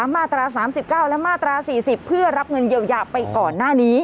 มาตรา๓๙และมาตรา๔๐เพื่อรับเงินเยียวยาไปก่อนหน้านี้